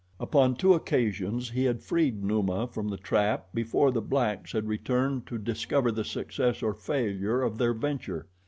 Upon two occasions he had freed Numa from the trap before the blacks had returned to discover the success or failure of their venture.